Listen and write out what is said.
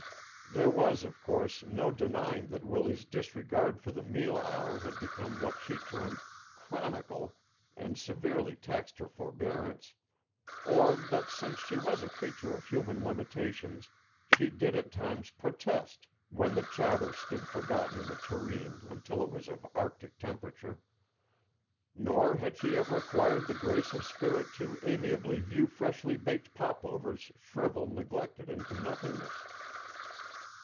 There was, of course, no denying that Willie's disregard for the meal hour had become what she termed "chronical" and severely taxed her forbearance; or that since she was a creature of human limitations she did at times protest when the chowder stood forgotten in the tureen until it was of Arctic temperature; nor had she ever acquired the grace of spirit to amiably view freshly baked popovers shrivel neglected into nothingness.